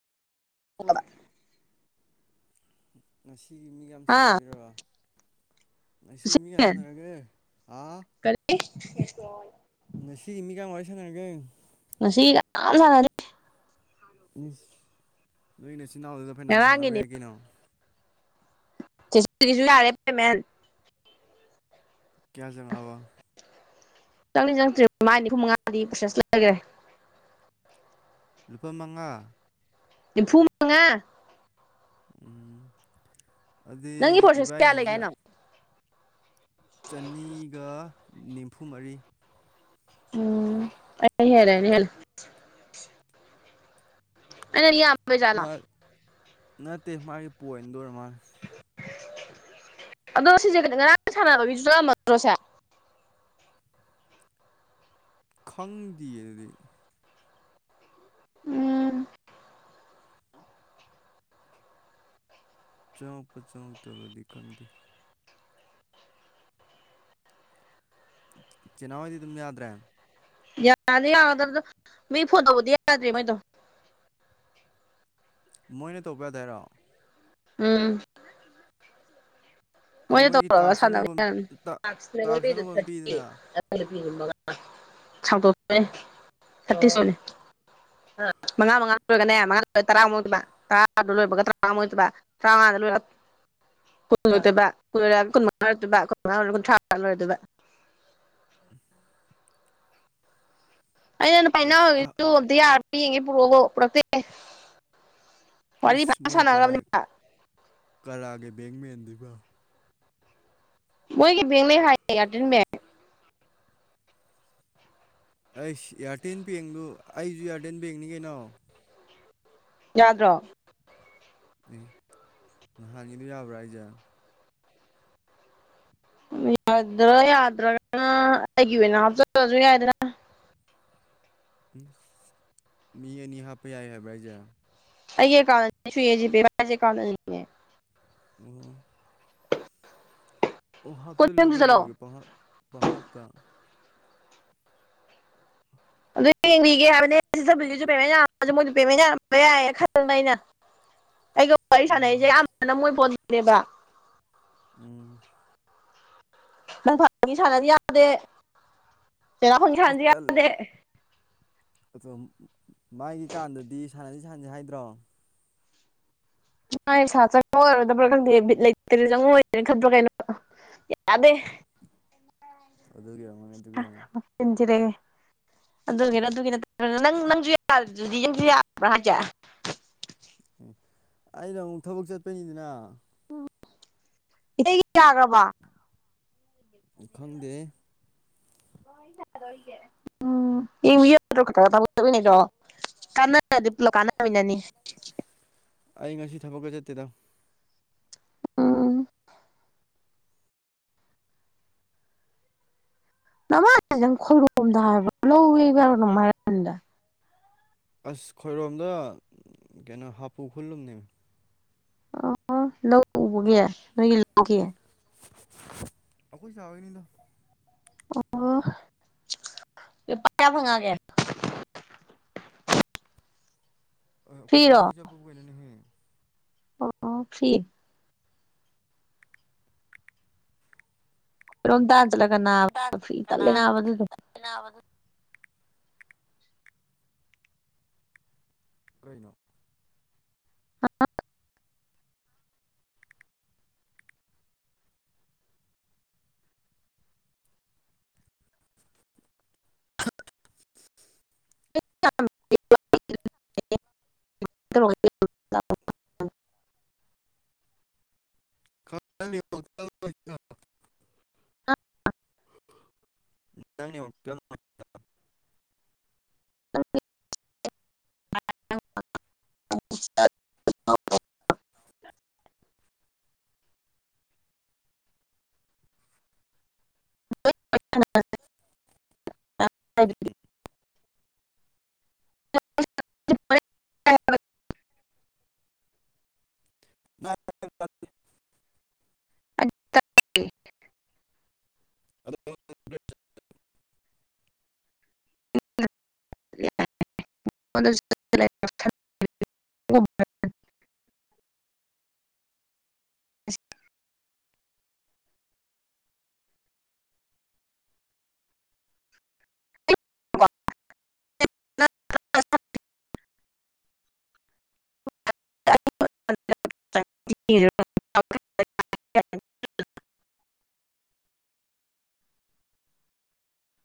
UNINTELLIGIBLE ꯉꯁꯤꯒꯤ ꯃꯤ ꯌꯥꯝ ꯍꯥ ꯁꯥꯟꯅꯕꯤꯔꯕ ꯑꯁꯤ ꯃꯤ ꯀꯌ ꯁꯥꯟꯅꯔꯒꯦ ꯑꯥ ꯀꯔꯤ ꯉꯥꯁꯤꯒꯤ ꯃꯤ ꯀꯌꯥꯝ ꯋꯥꯔꯤ ꯁꯥꯟꯅꯔꯒꯦ ꯃꯁꯤꯒꯤ ꯀꯅꯥꯝ ꯁꯥꯟꯅꯗ꯭ꯔꯤ ꯏꯁ ꯅꯣꯏ ꯅꯆꯤꯜ ꯏꯅꯥꯎꯗꯨꯒ ꯐꯅꯌꯥꯝ ꯁꯥꯟꯅꯕ ꯌꯥꯏ ꯀꯩꯅꯣ ꯆꯤꯆꯦꯁꯨ ꯌꯥꯔꯦ ꯄꯦꯃꯦꯟ ꯀꯌꯥ ꯆꯪꯉꯛ ꯑꯕ ꯆꯪꯗꯤ ꯆꯪꯗ꯭ꯔꯤ ꯃꯥꯏ ꯅꯤꯐꯨ ꯃꯉꯥꯗꯤ ꯄ꯭ꯔꯣꯁꯦꯁ ꯂꯩꯈ꯭ꯔꯦ ꯂꯨꯄꯥ ꯃꯉꯥ ꯅꯤꯄꯨꯃꯉꯥ ꯎꯝ ꯑꯗꯨꯗꯤ ꯅꯪꯒꯤ ꯄ꯭ꯔꯣꯁꯦꯁ ꯀꯌꯥ ꯂꯩꯒꯦ ꯏꯕꯥꯏꯒꯤꯁꯨ ꯍꯥꯏꯅꯣ ꯆꯅꯤꯒ ꯅꯤꯝꯐꯨ ꯃꯔꯤ ꯎꯝ ꯑꯩꯅ ꯍꯦꯜꯂꯦ ꯍꯦꯜꯂꯦ ꯑꯩꯅ ꯌꯥꯝ ꯅꯠꯇꯦ ꯃꯥꯒꯤ ꯄꯣꯏꯟꯗꯣ ꯑꯣꯏꯔ ꯃꯥꯜꯂꯦ ꯑꯗꯣ ꯁꯤꯁꯦ ꯉꯔꯥꯡ ꯁꯥꯟꯅꯕ ꯒꯤꯗꯨꯁꯨ ꯆꯠꯉꯝꯃꯗ꯭ꯔꯣ ꯁꯤꯁꯦ ꯈꯪꯗꯦ ꯗꯨꯗꯤ ꯎꯝ ꯆꯪꯉꯛꯄ ꯆꯪꯉꯛꯇꯕꯗꯤ ꯈꯪꯗꯦ ꯆꯦ ꯅꯥꯎ ꯍꯣꯏꯗꯤ ꯑꯗꯨꯝ ꯌꯥꯗ꯭ꯔꯦ ꯌꯥꯗꯤ ꯌꯥꯒꯗꯕꯗꯣ ꯃꯤ ꯐꯣꯟ ꯇꯧꯕꯗꯤ ꯌꯥꯗ꯭ꯔꯦ ꯃꯣꯏꯗꯣ ꯃꯣꯏꯅ ꯇꯧꯕ ꯌꯥꯗꯦ ꯍꯥꯏꯔꯣ ꯎꯝ ꯑꯗꯣ ꯃꯣꯏꯅ ꯃꯣꯏꯒꯤ ꯇꯧꯔꯒ ꯇꯥꯛꯁ ꯁꯥꯟꯅꯕ ꯑꯅꯧꯕ ꯌꯥ..... ꯑꯃ ꯇꯥꯛꯁ ꯑꯅꯧꯕ ꯑꯃ ꯄꯤꯗꯅ ꯁꯥꯡꯇꯣꯛꯆꯦ ꯊꯠꯇꯤ ꯁꯣꯂ UNINTELLIGIBLE ꯃꯉꯥ ꯃꯉꯥ ꯂꯣꯏꯔꯒꯅꯦ ꯃꯉꯥꯗꯣ ꯇꯔꯥ ꯑꯃꯨꯛ ꯑꯣꯏꯗꯣꯏꯕ ꯇꯔꯥꯗꯣ ꯂꯣꯏꯕꯒ ꯇꯔꯥꯃꯉꯥ ꯑꯃꯨꯛ ꯑꯣꯏꯗꯣꯏꯕ ꯇꯔꯥꯃꯉꯥꯗ ꯂꯣꯏ ꯀꯨꯟ ꯑꯣꯏꯗꯣꯏꯕ ꯀꯨꯟ ꯑꯣꯏꯔꯒ ꯀꯨꯟꯃꯉꯥ ꯑꯣꯏꯔꯛꯇꯣꯏꯕ ꯀꯨꯟꯃꯉꯥ ꯑꯣꯏꯔ ꯀꯨꯟꯊ꯭ꯔꯥ ꯑꯣꯏꯔꯗꯣꯏꯕ ꯎ ꯑꯩꯅ ꯄꯥꯏꯅꯒꯦꯁꯨ ꯑꯝꯇ ꯌꯥꯔꯛꯇꯦ ꯌꯦꯡꯉꯣ ꯄꯨꯔꯛꯑꯣꯕꯣ ꯄꯨꯔꯛꯇꯦ ꯋꯥꯔꯤ ꯏꯁ ꯐꯖꯅ ꯃꯣꯏ ꯀꯅꯥ ꯁꯥꯟꯅꯈ꯭ꯔꯕꯅꯦꯕ ꯀꯅꯥꯒꯤ ꯕꯦꯡꯃꯦꯟꯗꯨꯕ ꯃꯣꯏꯒꯤ ꯕꯦꯡ ꯂꯩ ꯍꯥꯏꯌꯦ ꯑꯦꯌꯇꯦꯜ ꯕꯦꯡ ꯑꯩꯁ ꯏꯌꯔꯇꯦꯜ ꯕꯦꯡꯗꯨ ꯑꯩꯁꯨ ꯏꯌꯔꯇꯦꯜ ꯕꯦꯡꯅꯤ ꯀꯩꯅꯣ ꯌꯥꯗ꯭ꯔꯣ ꯑꯦ ꯅꯍꯥꯟꯒꯤꯗꯨ ꯌꯥꯕ꯭ꯔꯥ ꯍꯥꯏꯖꯦ ꯌꯥꯗ꯭ꯔꯥ ꯌꯥꯗ꯭ꯔꯒꯅ ꯑꯩꯒꯤ ꯑꯣꯏꯅ ꯍꯥꯞꯆꯟꯂꯁꯨ ꯌꯥꯏꯗꯅ ꯏꯁ ꯃꯤ ꯑꯅꯤ ꯍꯥꯞꯄ ꯌꯥꯏ ꯍꯥꯏꯕ꯭ꯔꯥ ꯍꯥꯏꯁꯦ ꯑꯩꯒꯤ ꯑꯦꯀꯥꯟꯠꯇ ꯖꯤꯄꯦ ꯄꯥꯏꯁꯦ ꯑꯦꯀꯥꯟꯠꯇ ꯑꯅꯤꯅꯦ ꯑꯣ ꯑꯣ ꯍꯥꯞꯆꯤꯜꯂꯨ ꯀꯣꯏꯕꯝꯁꯨ ꯆꯠꯂꯣ ꯀꯩꯗꯧꯔꯒꯦ ꯄꯪꯍꯥꯞ ꯄꯪꯍꯥꯥꯞꯇ ꯑꯗꯨ ꯌꯦꯡꯕꯤꯒꯦ ꯍꯥꯏꯕꯅꯦ [unintelligible] ꯌꯥꯔꯝꯕ ꯌꯥꯏꯌꯦ ꯈꯟꯕ ꯑꯩꯅ ꯑꯩꯁꯨ ꯋꯥꯔꯤ ꯎꯝ ꯁꯥꯟꯅꯔꯤꯁꯦ ꯑꯌꯥꯝꯅ ꯃꯣꯏ ꯐꯣꯟꯗꯅꯦꯕ ꯎꯝ ꯅꯪ ꯐꯪꯏ ꯁꯥꯟꯅꯕ ꯌꯥꯗꯦ ꯆꯔꯥ ꯍꯣꯏꯁꯨ ꯑꯩ ꯁꯥꯟꯅꯒꯦ ꯇꯜ ꯌꯥꯗꯦ ꯑꯗꯣ ꯃꯥꯒꯤ ꯀꯥꯟꯗꯗꯤ ꯁꯥꯟꯅꯁꯤ ꯁꯥꯟꯅꯁꯤ ꯍꯥꯏꯗ꯭ꯔꯣ ꯃꯥꯒꯤ ꯄꯩꯁꯥ ꯆꯪꯉꯛꯑꯣꯔꯣꯏꯗꯕ꯭ꯔꯥ ꯈꯪꯗꯦ ꯕꯤꯠ ꯂꯩꯇꯦ ꯆꯪꯉꯛꯑꯔꯣꯏꯗꯕꯣꯏ ꯈꯟꯗ꯭ꯔꯣꯀꯦ ꯑꯩꯁꯨ ꯌꯥꯗꯦ ꯑꯗꯨꯒꯤ ꯑꯣꯏꯔꯝꯒꯅꯤ ꯑꯗꯨꯒꯤ ꯑꯣꯏꯔꯝꯒꯅꯤ [unintelligible] ꯆꯤꯟ ꯊꯤꯔꯦꯍꯦ ꯑꯗꯨꯒꯤꯔꯥ ꯑꯗꯨꯒꯤ ꯅꯠꯇꯕ꯭ꯔ ꯅꯪ ꯅꯪꯁꯨ ꯌꯥꯗ꯭ꯔꯗꯤ ꯌꯨꯝꯁꯨ ꯌꯥꯕ꯭ꯔꯥ ꯍꯥꯏꯁꯦ ꯑꯩꯗꯣ ꯑꯃꯨꯛ ꯊꯕꯛ ꯆꯠꯄꯅꯤꯗꯅ ꯏꯇꯩꯒꯤ ꯌꯥꯈ꯭ꯔꯕꯣ ꯈꯪꯗꯦꯍꯦ ꯎꯝ [unintelligible] ꯀꯥꯟꯅꯔꯗꯤ ꯄꯨꯂꯞ ꯀꯥꯟꯅꯃꯤꯟꯅꯅꯤ ꯑꯩ ꯉꯁꯤ ꯊꯕꯛꯀ ꯆꯠꯇꯦꯗ ꯎꯝ ꯅꯃꯥꯅ ꯅꯪ ꯈꯣꯏꯔꯣꯝꯗ ꯍꯥꯏꯕ꯭ꯔꯣ ꯂꯧꯋꯦꯕ ꯑꯗꯨꯝ ꯍꯥꯏꯔꯛꯀꯅꯤꯗ ꯑꯁ ꯈꯣꯏꯔꯣꯝꯗ ꯀꯩꯅꯣ ꯍꯥꯄꯨ ꯈꯨꯜꯂꯨꯝꯅꯦꯕ ꯑꯣ ꯂꯧ ꯎꯕꯒꯤ ꯅꯣꯏꯒꯤ ꯂꯧꯒꯤ ꯑꯩꯈꯣꯏ ꯆꯥꯍꯣꯢꯒꯤꯅꯤꯗ ꯑꯣ ꯂꯨꯄꯥ ꯀꯌꯥ ꯐꯪꯉꯛꯑꯒꯦ ꯑꯩꯈꯣꯏ ꯐ꯭ꯔꯤꯔꯣ ꯆꯥꯍꯣꯏꯒꯤ ꯆꯠꯄꯕꯨ ꯀꯩꯅꯣꯅꯦꯍꯦ ꯑꯣ ꯐ꯭ꯔꯤ ꯔꯣꯝ ꯇꯥꯟ ꯆꯠꯂꯒꯅꯥ ꯅꯥ ꯐ꯭ꯔꯤ ꯇꯜꯂꯦ ꯅꯥ ꯑꯗꯨꯗꯤ [unintelligible] ꯀꯩꯅꯣ [unintelligible] [inaudible] [inaudible] [inaudible] ꯅꯪꯒꯤ [inaudible] [inaudible] [unintelligible] [inaudible] [inaudible]